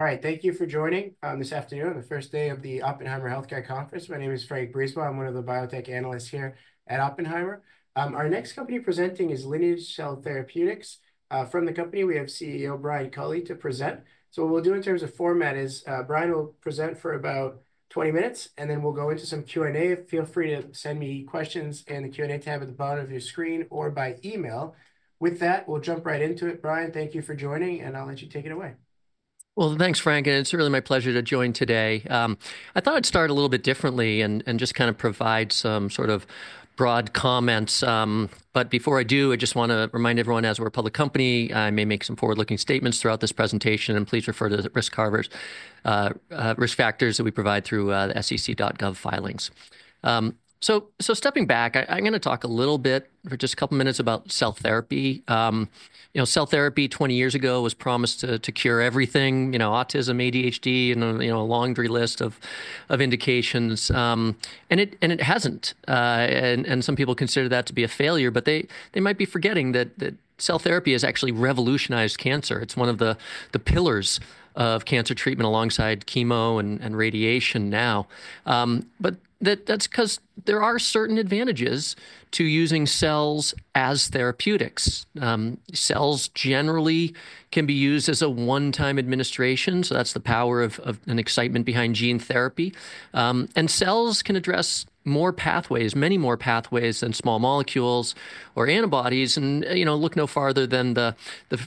All right, thank you for joining this afternoon, the first day of the Oppenheimer Healthcare Conference. My name is Franc Brisebois, I'm one of the Biotech Analysts here at Oppenheimer. Our next company presenting is Lineage Cell Therapeutics. From the company, we have CEO Brian Culley to present. What we'll do in terms of format is Brian will present for about 20 minutes, and then we'll go into some Q&A. Feel free to send me questions in the Q&A tab at the bottom of your screen or by email. With that, we'll jump right into it. Brian, thank you for joining, and I'll let you take it away. Thanks, Franc. It is really my pleasure to join today. I thought I'd start a little bit differently and just kind of provide some sort of broad comments. Before I do, I just want to remind everyone, as we're a public company, I may make some forward-looking statements throughout this presentation, and please refer to the risk factors that we provide through the sec.gov filings. Stepping back, I'm going to talk a little bit for just a couple of minutes about cell therapy. Cell therapy 20 years ago was promised to cure everything: autism, ADHD, and a laundry list of indications. It has not and some people consider that to be a failure, but they might be forgetting that cell therapy has actually revolutionized cancer. It is one of the pillars of cancer treatment alongside chemo and radiation now. That is because there are certain advantages to using cells as therapeutics. Cells generally can be used as a one-time administration. That is the power of and excitement behind gene therapy. Cells can address many more pathways than small molecules or antibodies and look no farther than the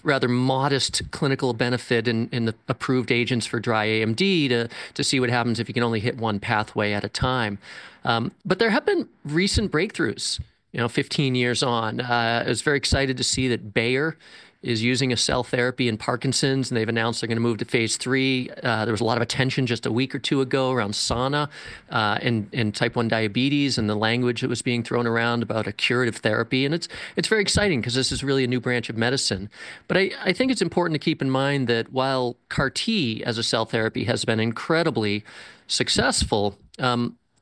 rather modest clinical benefit in the approved agents for dry AMD to see what happens if you can only hit one pathway at a time. There have been recent breakthroughs 15 years on. I was very excited to see that Bayer is using a cell therapy in Parkinson's, and they have announced they are going to move to phase III. There was a lot of attention just a week or two ago around Sana in type 1 diabetes and the language that was being thrown around about a curative therapy. It is very exciting because this is really a new branch of medicine. I think it is important to keep in mind that while CAR-T, as a cell therapy, has been incredibly successful,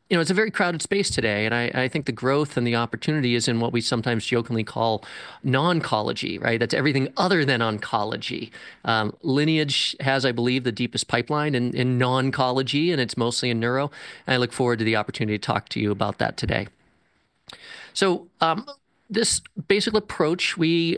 it is a very crowded space today. I think the growth and the opportunity is in what we sometimes jokingly call noncology, right? That is everything other than oncology. Lineage has, I believe, the deepest pipeline in noncology, and it is mostly in neuro. I look forward to the opportunity to talk to you about that today. This basic approach, we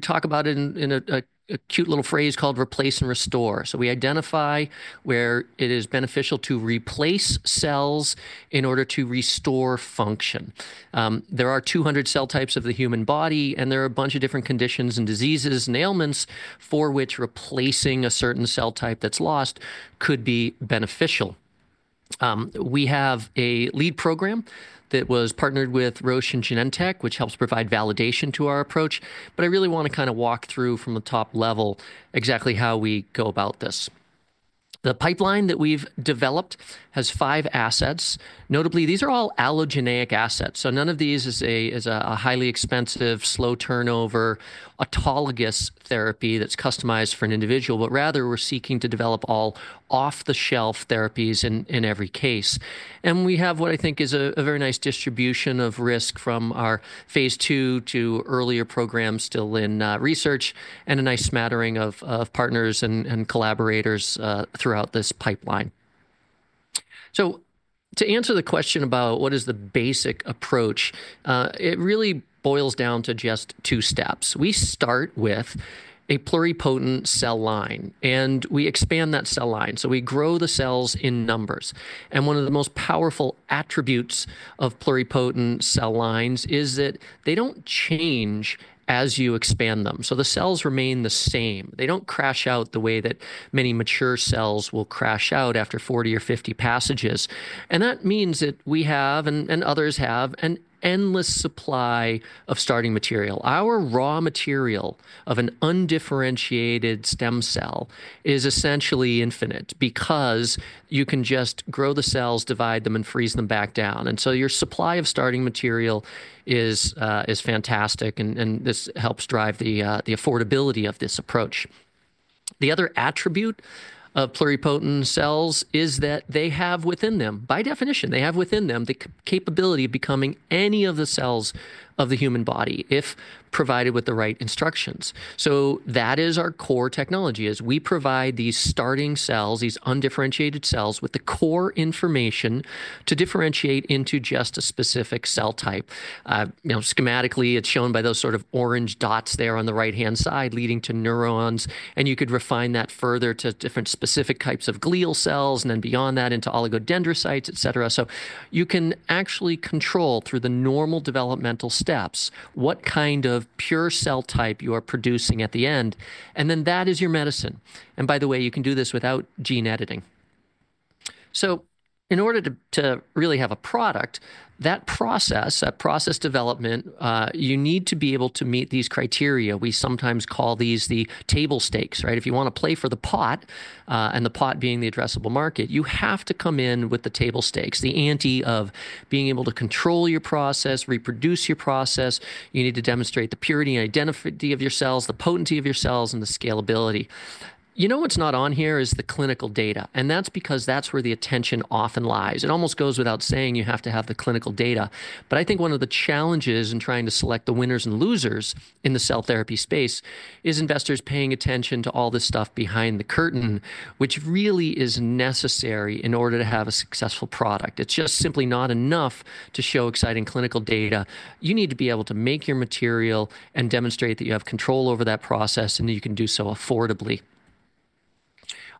talk about it in a cute little phrase called replace and restore. We identify where it is beneficial to replace cells in order to restore function. There are 200 cell types of the human body, and there are a bunch of different conditions and diseases, ailments for which replacing a certain cell type that's lost could be beneficial. We have a lead program that was partnered with Roche and Genentech, which helps provide validation to our approach. I really want to kind of walk through from the top level exactly how we go about this. The pipeline that we've developed has five assets. Notably, these are all allogeneic assets. None of these is a highly expensive, slow-turnover autologous therapy that's customized for an individual, but rather we're seeking to develop all off-the-shelf therapies in every case. We have what I think is a very nice distribution of risk from our phase II to earlier programs still in research and a nice smattering of partners and collaborators throughout this pipeline. To answer the question about what is the basic approach, it really boils down to just two steps. We start with a pluripotent cell line, and we expand that cell line. We grow the cells in numbers and one of the most powerful attributes of pluripotent cell lines is that they do not change as you expand them. The cells remain the same. They do not crash out the way that many mature cells will crash out after 40 or 50 passages. That means that we have, and others have, an endless supply of starting material. Our raw material of an undifferentiated stem cell is essentially infinite because you can just grow the cells, divide them, and freeze them back down. Your supply of starting material is fantastic, and this helps drive the affordability of this approach. The other attribute of pluripotent cells is that they have within them, by definition, they have within them the capability of becoming any of the cells of the human body if provided with the right instructions. That is our core technology as we provide these starting cells, these undifferentiated cells with the core information to differentiate into just a specific cell type. Schematically, it is shown by those sort of orange dots there on the right-hand side leading to neurons. You could refine that further to different specific types of glial cells and then beyond that into oligodendrocytes, etc. You can actually control through the normal developmental steps what kind of pure cell type you are producing at the end. That is your medicine. By the way, you can do this without gene editing. In order to really have a product, that process, that process development, you need to be able to meet these criteria. We sometimes call these the table stakes, right? If you want to play for the pot, and the pot being the addressable market, you have to come in with the table stakes, the ante of being able to control your process, reproduce your process. You need to demonstrate the purity and identify the identity of your cells, the potency of your cells, and the scalability. You know what's not on here is the clinical data. That's because that's where the attention often lies. It almost goes without saying you have to have the clinical data. I think one of the challenges in trying to select the winners and losers in the cell therapy space is investors paying attention to all this stuff behind the curtain, which really is necessary in order to have a successful product. It's just simply not enough to show exciting clinical data. You need to be able to make your material and demonstrate that you have control over that process and that you can do so affordably.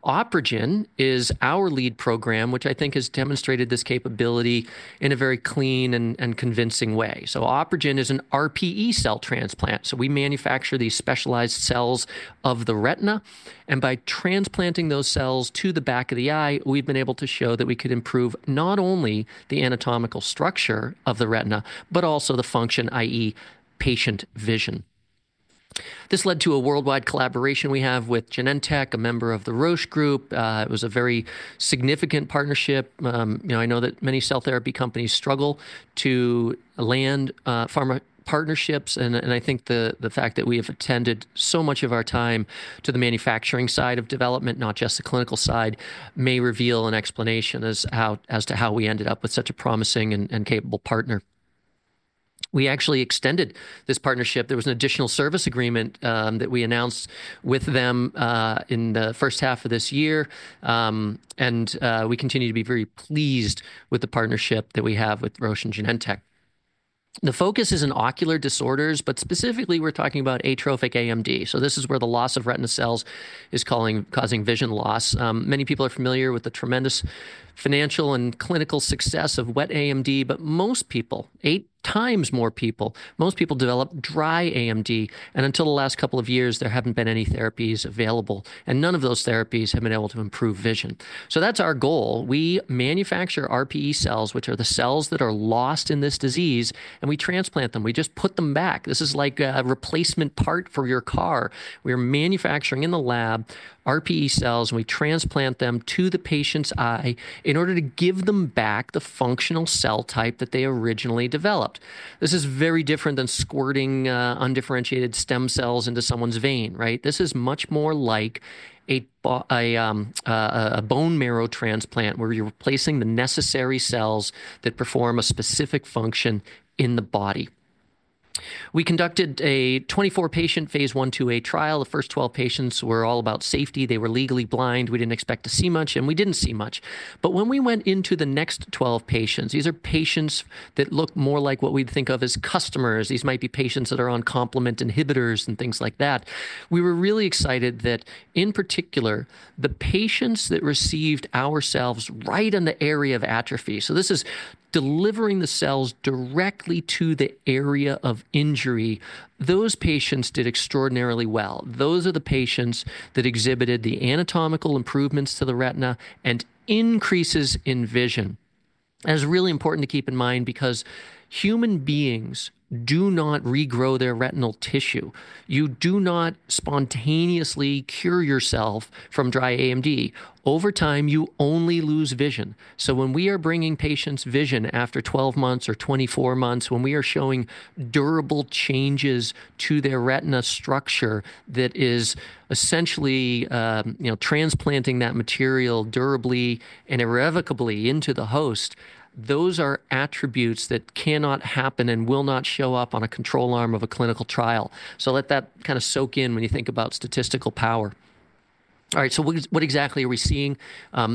OpRegen is our lead program, which I think has demonstrated this capability in a very clean and convincing way. OpRegen is an RPE cell transplant. We manufacture these specialized cells of the retina. By transplanting those cells to the back of the eye, we've been able to show that we could improve not only the anatomical structure of the retina, but also the function, i.e., patient vision. This led to a worldwide collaboration we have with Genentech, a member of the Roche Group. It was a very significant partnership. I know that many cell therapy companies struggle to land pharma partnerships. I think the fact that we have attended so much of our time to the manufacturing side of development, not just the clinical side, may reveal an explanation as to how we ended up with such a promising and capable partner. We actually extended this partnership. There was an additional service agreement that we announced with them in the first half of this year. We continue to be very pleased with the partnership that we have with Roche and Genentech. The focus is in ocular disorders, but specifically, we're talking about atrophic AMD. This is where the loss of retina cells is causing vision loss. Many people are familiar with the tremendous financial and clinical success of wet AMD, but most people, eight times more people, most people develop dry AMD. Until the last couple of years, there have not been any therapies available. None of those therapies have been able to improve vision. That is our goal. We manufacture RPE cells, which are the cells that are lost in this disease, and we transplant them. We just put them back. This is like a replacement part for your car. We are manufacturing in the lab RPE cells, and we transplant them to the patient's eye in order to give them back the functional cell type that they originally developed. This is very different than squirting undifferentiated stem cells into someone's vein, right? This is much more like a bone marrow transplant where you're replacing the necessary cells that perform a specific function in the body. We conducted a 24-patient phase I/II-A trial. The first 12 patients were all about safety. They were legally blind. We didn't expect to see much, and we didn't see much. When we went into the next 12 patients, these are patients that look more like what we think of as customers. These might be patients that are on complement inhibitors and things like that. We were really excited that in particular, the patients that received our cells right in the area of atrophy, so this is delivering the cells directly to the area of injury, those patients did extraordinarily well. Those are the patients that exhibited the anatomical improvements to the retina and increases in vision. It is really important to keep in mind because human beings do not regrow their retinal tissue. You do not spontaneously cure yourself from dry AMD. Over time, you only lose vision. When we are bringing patients' vision after 12 months or 24 months, when we are showing durable changes to their retina structure that is essentially transplanting that material durably and irrevocably into the host, those are attributes that cannot happen and will not show up on a control arm of a clinical trial. Let that kind of soak in when you think about statistical power. All right, what exactly are we seeing?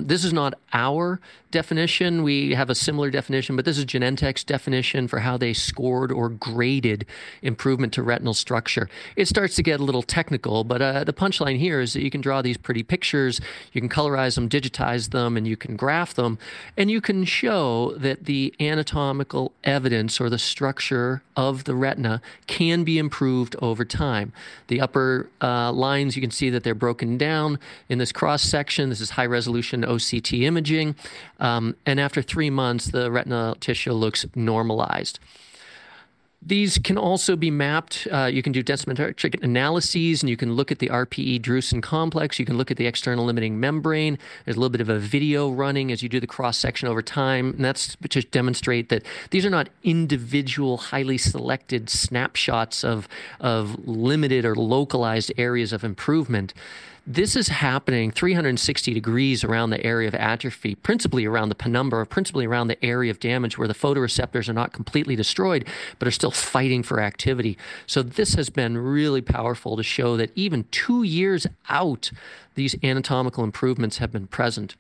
This is not our definition. We have a similar definition, but this is Genentech's definition for how they scored or graded improvement to retinal structure. It starts to get a little technical, but the punchline here is that you can draw these pretty pictures. You can colorize them, digitize them, and you can graph them. You can show that the anatomical evidence or the structure of the retina can be improved over time. The upper lines, you can see that they're broken down in this cross-section. This is high-resolution OCT imaging. After three months, the retinal tissue looks normalized. These can also be mapped. You can do densitometric analysis, and you can look at the RPE-drusen complex. You can look at the external limiting membrane. There's a little bit of a video running as you do the cross-section over time. That is to demonstrate that these are not individual, highly selected snapshots of limited or localized areas of improvement. This is happening 360 degrees around the area of atrophy, principally around the penumbra, principally around the area of damage where the photoreceptors are not completely destroyed, but are still fighting for activity. This has been really powerful to show that even two years out, these anatomical improvements have been present.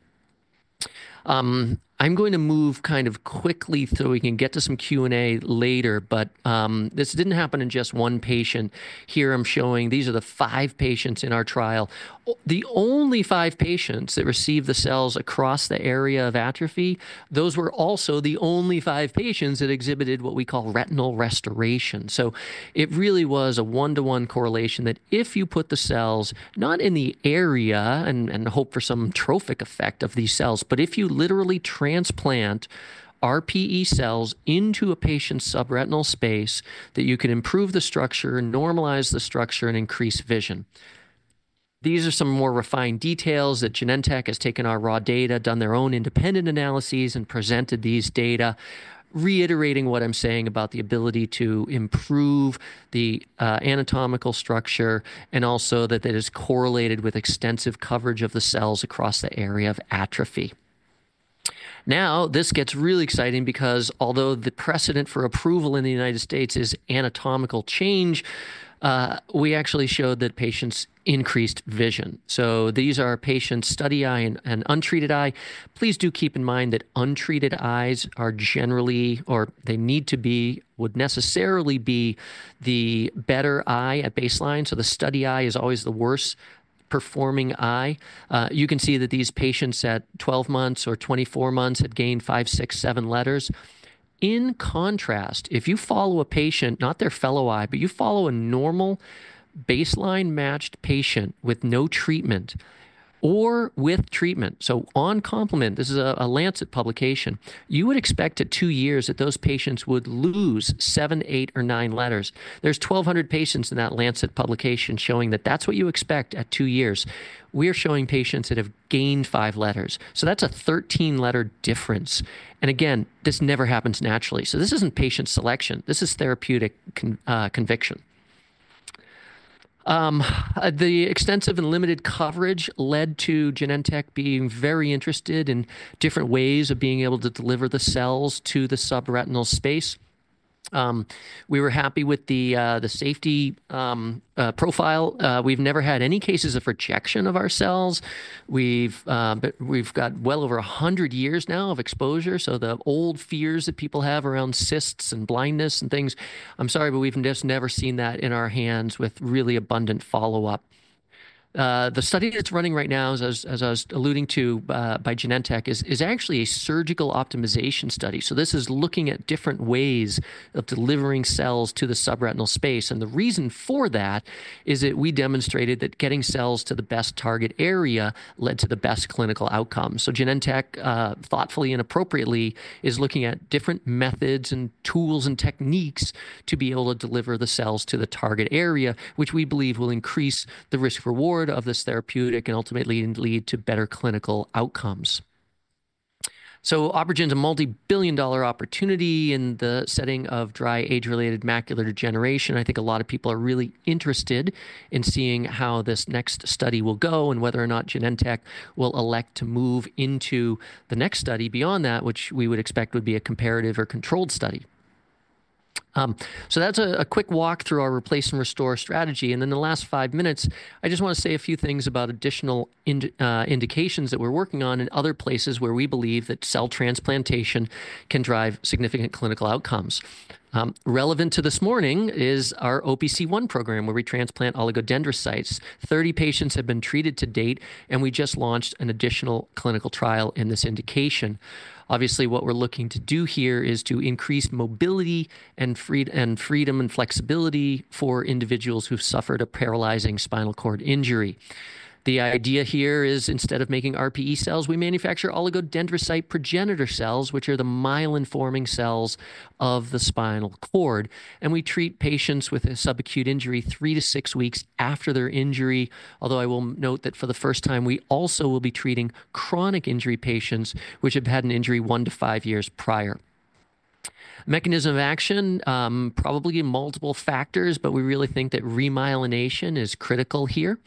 I'm going to move kind of quickly so we can get to some Q&A later, but this did not happen in just one patient. Here I'm showing these are the five patients in our trial. The only five patients that received the cells across the area of atrophy, those were also the only five patients that exhibited what we call retinal restoration. It really was a one-to-one correlation that if you put the cells not in the area and hope for some trophic effect of these cells, but if you literally transplant RPE cells into a patient's subretinal space, that you can improve the structure, normalize the structure, and increase vision. These are some more refined details that Genentech has taken our raw data, done their own independent analyses, and presented these data, reiterating what I am saying about the ability to improve the anatomical structure and also that it is correlated with extensive coverage of the cells across the area of atrophy. Now, this gets really exciting because although the precedent for approval in the United States is anatomical change, we actually showed that patients increased vision. These are patients' study eye and untreated eye. Please do keep in mind that untreated eyes are generally, or they need to be, would necessarily be the better eye at baseline. The study eye is always the worst performing eye. You can see that these patients at 12 months or 24 months had gained five, six, seven letters. In contrast, if you follow a patient, not their fellow eye, but you follow a normal baseline matched patient with no treatment or with treatment, so on complement, this is a Lancet publication, you would expect at two years that those patients would lose seven, eight, or nine letters. There are 1,200 patients in that Lancet publication showing that that is what you expect at two years. We are showing patients that have gained five letters. That is a 13-letter difference. Again, this never happens naturally. This is not patient selection. This is therapeutic conviction. The extensive and limited coverage led to Genentech being very interested in different ways of being able to deliver the cells to the subretinal space. We were happy with the safety profile. We've never had any cases of rejection of our cells. We've got well over 100 years now of exposure. The old fears that people have around cysts and blindness and things, I'm sorry, but we've just never seen that in our hands with really abundant follow-up. The study that's running right now, as I was alluding to by Genentech, is actually a surgical optimization study. This is looking at different ways of delivering cells to the subretinal space. The reason for that is that we demonstrated that getting cells to the best target area led to the best clinical outcome. Genentech, thoughtfully and appropriately, is looking at different methods and tools and techniques to be able to deliver the cells to the target area, which we believe will increase the risk-reward of this therapeutic and ultimately lead to better clinical outcomes. OpRegen is a multi-billion dollar opportunity in the setting of dry age-related macular degeneration. I think a lot of people are really interested in seeing how this next study will go and whether or not Genentech will elect to move into the next study beyond that, which we would expect would be a comparative or controlled study. That's a quick walk through our replace and restore strategy. In the last five minutes, I just want to say a few things about additional indications that we're working on in other places where we believe that cell transplantation can drive significant clinical outcomes. Relevant to this morning is our OPC1 program where we transplant oligodendrocytes. Thirty patients have been treated to date, and we just launched an additional clinical trial in this indication. Obviously, what we're looking to do here is to increase mobility and freedom and flexibility for individuals who've suffered a paralyzing spinal cord injury. The idea here is instead of making RPE cells, we manufacture oligodendrocyte progenitor cells, which are the myelin-forming cells of the spinal cord. We treat patients with a subacute injury three to six weeks after their injury, although I will note that for the first time, we also will be treating chronic injury patients which have had an injury one to five years prior. Mechanism of action, probably multiple factors, but we really think that remyelination is critical here.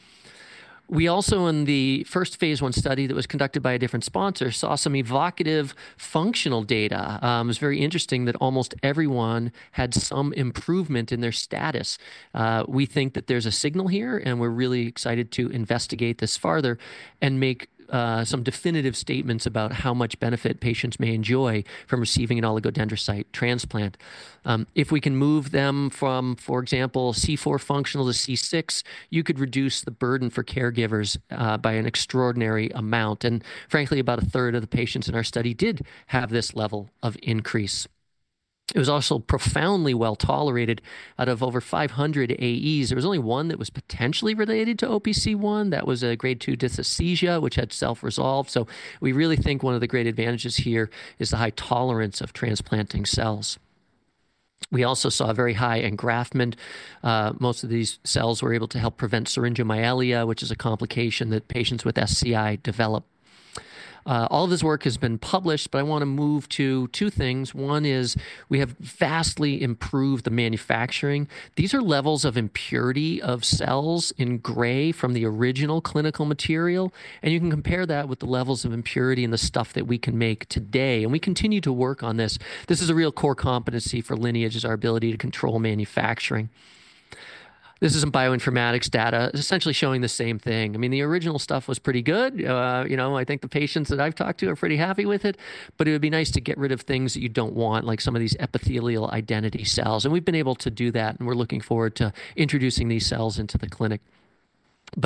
We also, in the first phase I study that was conducted by a different sponsor, saw some evocative functional data. It was very interesting that almost everyone had some improvement in their status. We think that there's a signal here, and we're really excited to investigate this further and make some definitive statements about how much benefit patients may enjoy from receiving an oligodendrocyte transplant. If we can move them from, for example, C4 functional to C6, you could reduce the burden for caregivers by an extraordinary amount. Frankly, about 1/3 of the patients in our study did have this level of increase. It was also profoundly well tolerated. Out of over 500 AEs, there was only one that was potentially related to OPC1, that was a grade 2 dysesthesia, which had self-resolved. We really think one of the great advantages here is the high tolerance of transplanting cells. We also saw very high engraftment. Most of these cells were able to help prevent syringomyelia, which is a complication that patients with SCI development. All of this work has been published. I want to move to two things. One is we have vastly improved the manufacturing. These are levels of impurity of cells in gray from the original clinical material. You can compare that with the levels of impurity in the stuff that we can make today. We continue to work on this. This is a real core competency for Lineage is our ability to control manufacturing. This is in bioinformatics data. It is essentially showing the same thing. I mean, the original stuff was pretty good. I think the patients that I've talked to are pretty happy with it, but it would be nice to get rid of things that you don't want, like some of these epithelial identity cells. We've been able to do that, and we're looking forward to introducing these cells into the clinic.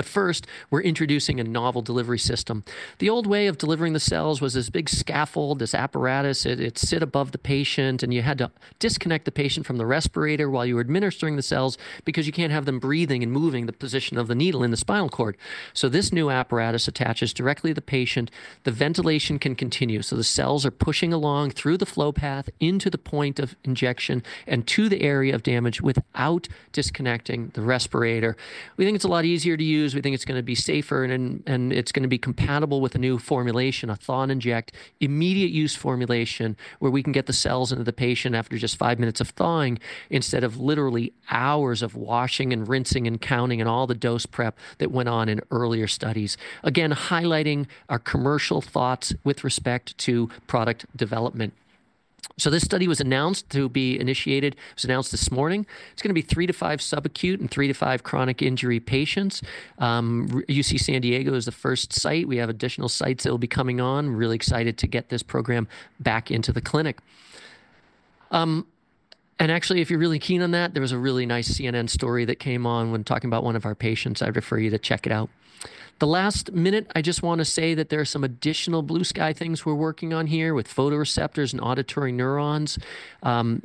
First, we're introducing a novel delivery system. The old way of delivering the cells was this big scaffold, this apparatus. It'd sit above the patient, and you had to disconnect the patient from the respirator while you were administering the cells because you can't have them breathing and moving the position of the needle in the spinal cord. This new apparatus attaches directly to the patient. The ventilation can continue. The cells are pushing along through the flow path into the point of injection and to the area of damage without disconnecting the respirator. We think it's a lot easier to use. We think it's going to be safer, and it's going to be compatible with a new formulation, a thaw-and-inject immediate-use formulation where we can get the cells into the patient after just five minutes of thawing instead of literally hours of washing and rinsing and counting and all the dose prep that went on in earlier studies. Again, highlighting our commercial thoughts with respect to product development. This study was announced to be initiated. It was announced this morning. It's going to be three to five subacute and three to five chronic injury patients. UC San Diego is the first site. We have additional sites that will be coming on. Really excited to get this program back into the clinic. Actually, if you're really keen on that, there was a really nice CNN story that came on when talking about one of our patients. I'd refer you to check it out. The last minute, I just want to say that there are some additional blue sky things we're working on here with photoreceptors and auditory neurons.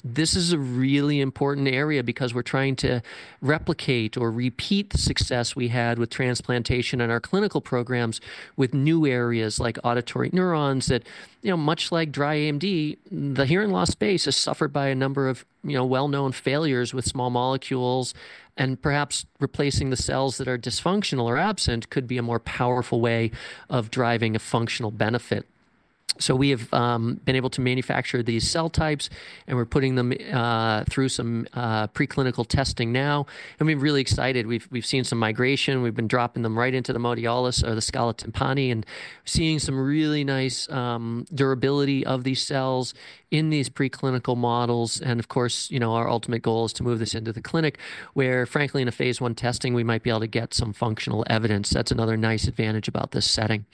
This is a really important area because we're trying to replicate or repeat the success we had with transplantation in our clinical programs with new areas like auditory neurons that, much like dry AMD, the hearing loss space has suffered by a number of well-known failures with small molecules. Perhaps replacing the cells that are dysfunctional or absent could be a more powerful way of driving a functional benefit. We have been able to manufacture these cell types, and we're putting them through some preclinical testing now. We're really excited. We've seen some migration. We've been dropping them right into the modiolus or the scala tympani, and seeing some really nice durability of these cells in these preclinical models. Of course, our ultimate goal is to move this into the clinic where, frankly, in a phase I testing, we might be able to get some functional evidence. That's another nice advantage about this setting.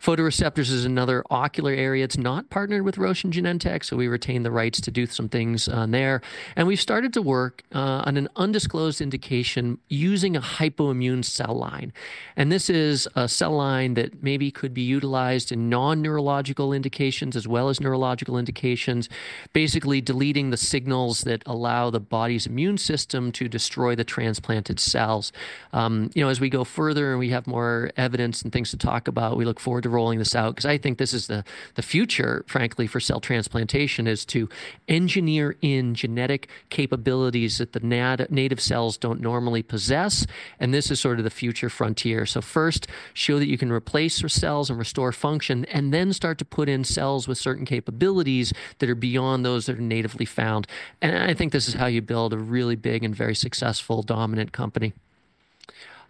Photoreceptors is another ocular area. It's not partnered with Roche and Genentech, so we retain the rights to do some things on there. We've started to work on an undisclosed indication using a hypoimmune cell line. This is a cell line that maybe could be utilized in non-neurological indications as well as neurological indications, basically deleting the signals that allow the body's immune system to destroy the transplanted cells. As we go further and we have more evidence and things to talk about, we look forward to rolling this out because I think this is the future, frankly, for cell transplantation is to engineer in genetic capabilities that the native cells do not normally possess. This is sort of the future frontier. First, show that you can replace your cells and restore function, and then start to put in cells with certain capabilities that are beyond those that are natively found. I think this is how you build a really big and very successful dominant company.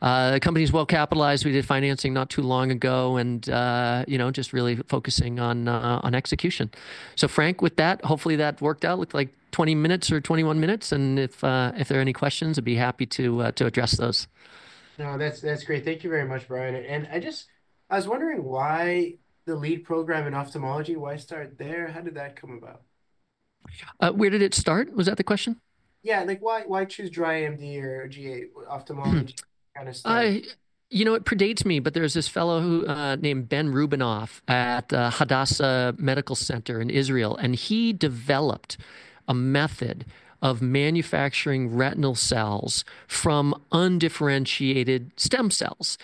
The company is well capitalized. We did financing not too long ago and just really focusing on execution. Franc, with that, hopefully that worked out. Looked like 20 minutes or 21 minutes. If there are any questions, I would be happy to address those. No, that is great. Thank you very much, Brian. I was wondering why the lead program in ophthalmology, why start there? How did that come about? Where did it start? Was that the question? Yeah, like why choose dry AMD or ophthalmology kind of stuff? You know, it predates me, but there's this fellow named Ben Reubinoff at Hadassah Medical Center in Israel, and he developed a method of manufacturing retinal cells from undifferentiated stem cells.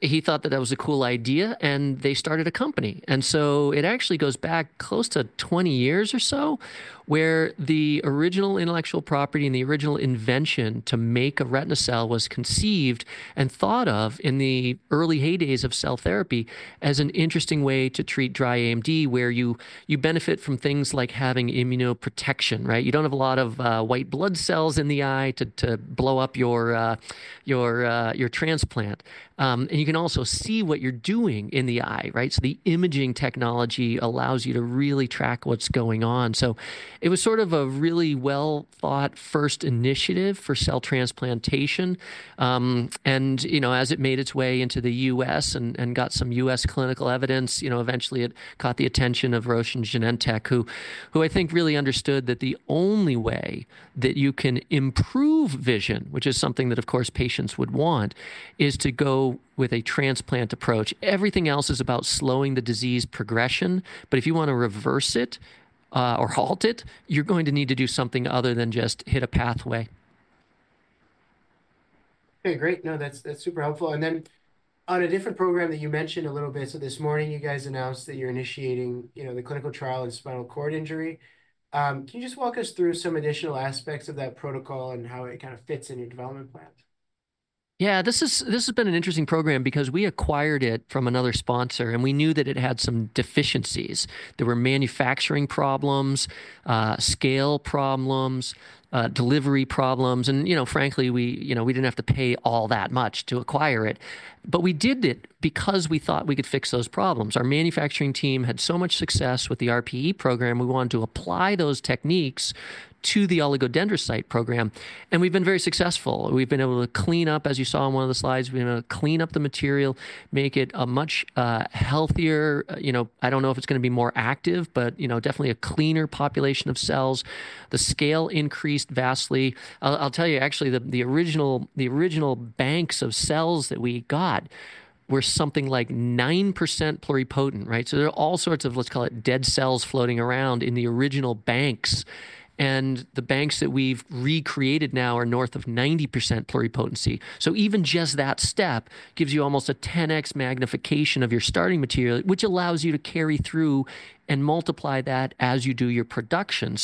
He thought that that was a cool idea, and they started a company. It actually goes back close to 20 years or so where the original intellectual property and the original invention to make a retina cell was conceived and thought of in the early heydays of cell therapy as an interesting way to treat dry AMD where you benefit from things like having immunoprotection, right? You do not have a lot of white blood cells in the eye to blow up your transplant. You can also see what you are doing in the eye, right? The imaging technology allows you to really track what is going on. It was sort of a really well-thought first initiative for cell transplantation. As it made its way into the U.S. and got some U.S. clinical evidence, eventually it caught the attention of Roche and Genentech, who I think really understood that the only way that you can improve vision, which is something that, of course, patients would want, is to go with a transplant approach. Everything else is about slowing the disease progression, but if you want to reverse it or halt it, you are going to need to do something other than just hit a pathway. Okay, great. No, that is super helpful. On a different program that you mentioned a little bit, this morning, you guys announced that you're initiating the clinical trial in spinal cord injury. Can you just walk us through some additional aspects of that protocol and how it kind of fits in your development plan? Yeah, this has been an interesting program because we acquired it from another sponsor, and we knew that it had some deficiencies. There were manufacturing problems, scale problems, delivery problems. Frankly, we didn't have to pay all that much to acquire it, but we did it because we thought we could fix those problems. Our manufacturing team had so much success with the RPE program. We wanted to apply those techniques to the oligodendrocyte program, and we've been very successful. We've been able to clean up, as you saw in one of the slides, we've been able to clean up the material, make it a much healthier. I don't know if it's going to be more active, but definitely a cleaner population of cells. The scale increased vastly. I'll tell you, actually, the original banks of cells that we got were something like 9% pluripotent, right? So there are all sorts of, let's call it dead cells floating around in the original banks. The banks that we've recreated now are north of 90% pluripotency. Even just that step gives you almost a 10x magnification of your starting material, which allows you to carry through and multiply that as you do your production.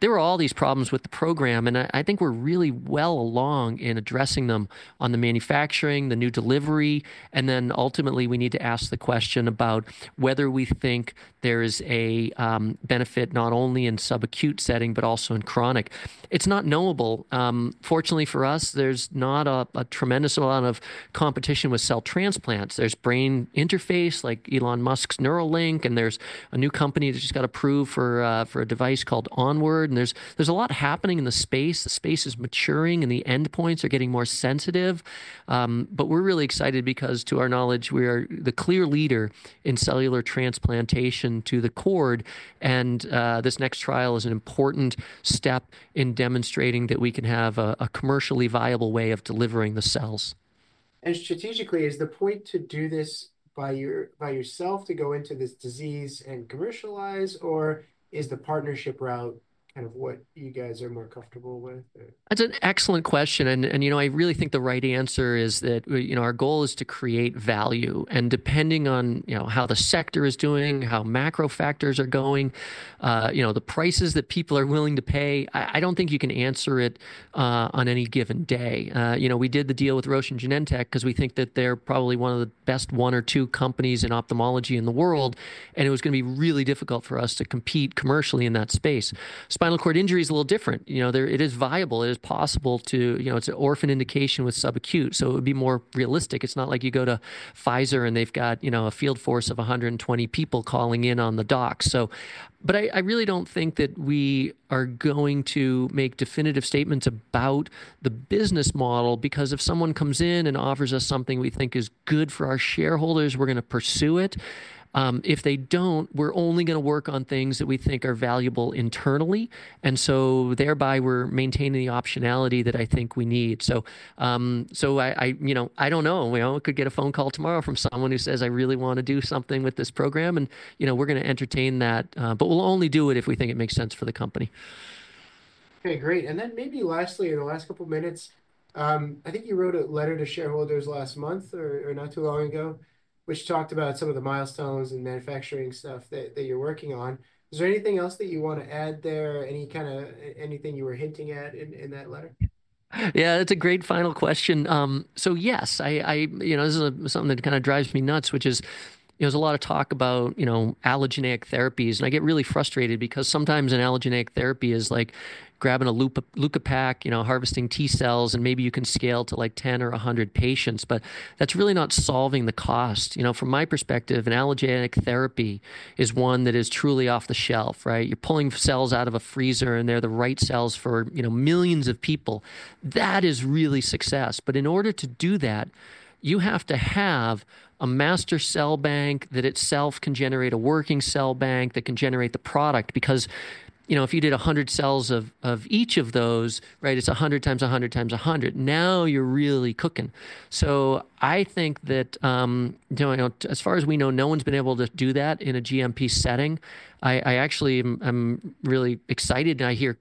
There were all these problems with the program, and I think we're really well along in addressing them on the manufacturing, the new delivery, and then ultimately, we need to ask the question about whether we think there is a benefit not only in subacute setting, but also in chronic. It's not knowable. Fortunately for us, there's not a tremendous amount of competition with cell transplants. There's brain interface like Elon Musk's Neuralink, and there's a new company that just got approved for a device called Onward. There's a lot happening in the space. The space is maturing, and the endpoints are getting more sensitive. We're really excited because, to our knowledge, we are the clear leader in cellular transplantation to the cord. This next trial is an important step in demonstrating that we can have a commercially viable way of delivering the cells. Strategically, is the point to do this by yourself to go into this disease and commercialize, or is the partnership route kind of what you guys are more comfortable with? That's an excellent question. I really think the right answer is that our goal is to create value. Depending on how the sector is doing, how macro factors are going, the prices that people are willing to pay, I don't think you can answer it on any given day. We did the deal with Roche and Genentech because we think that they're probably one of the best one or two companies in ophthalmology in the world, and it was going to be really difficult for us to compete commercially in that space. Spinal cord injury is a little different. It is viable. It is possible to, it's an orphan indication with subacute, so it would be more realistic. It's not like you go to Pfizer and they've got a field force of 120 people calling in on the docs. I really don't think that we are going to make definitive statements about the business model because if someone comes in and offers us something we think is good for our shareholders, we're going to pursue it. If they don't, we're only going to work on things that we think are valuable internally. Thereby, we're maintaining the optionality that I think we need. I don't know. We could get a phone call tomorrow from someone who says, "I really want to do something with this program," and we're going to entertain that, but we'll only do it if we think it makes sense for the company. Okay, great. Maybe lastly, in the last couple of minutes, I think you wrote a letter to shareholders last month or not too long ago, which talked about some of the milestones and manufacturing stuff that you're working on. Is there anything else that you want to add there? Any kind of anything you were hinting at in that letter? Yeah, that's a great final question. Yes, this is something that kind of drives me nuts, which is there's a lot of talk about allogeneic therapies, and I get really frustrated because sometimes an allogeneic therapy is like grabbing a leukopak, harvesting T cells, and maybe you can scale to like 10 or 100 patients, but that's really not solving the cost. From my perspective, an allogeneic therapy is one that is truly off the shelf, right? You're pulling cells out of a freezer, and they're the right cells for millions of people. That is really success. In order to do that, you have to have a master cell bank that itself can generate a working cell bank that can generate the product because if you did 100 cells of each of those, it's 100 times 100 times 100. Now you're really cooking. I think that as far as we know, no one's been able to do that in a GMP setting. I actually am really excited, and I hear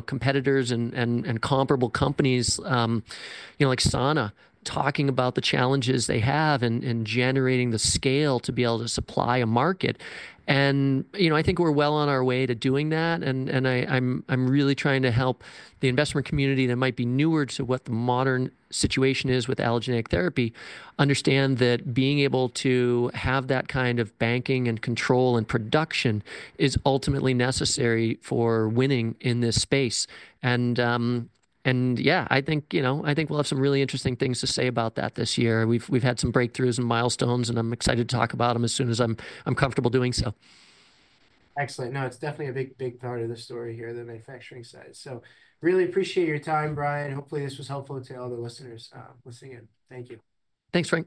competitors and comparable companies like Sana talking about the challenges they have in generating the scale to be able to supply a market. I think we're well on our way to doing that. I'm really trying to help the investment community that might be newer to what the modern situation is with allogeneic therapy understand that being able to have that kind of banking and control and production is ultimately necessary for winning in this space. I think we'll have some really interesting things to say about that this year. We've had some breakthroughs and milestones, and I'm excited to talk about them as soon as I'm comfortable doing so. Excellent. No, it's definitely a big part of the story here, the manufacturing side. Really appreciate your time, Brian. Hopefully, this was helpful to all the listeners listening in. Thank you. Thanks, Franc.